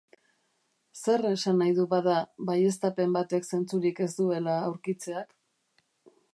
Zer esan nahi du, bada, baieztapen batek zentzurik ez duela aurkitzeak?